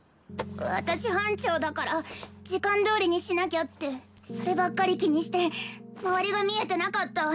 私班長だから時間どおりにしなきゃってそればっかり気にして周りが見えてなかった。